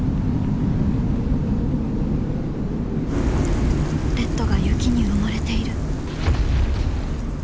レッドが雪に埋もれている。